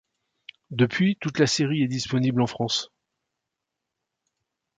Depuis, toute la série est disponible en France.